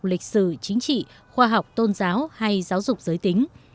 lịch sử chính trị khoa học tôn giáo hay giáo dục giới tính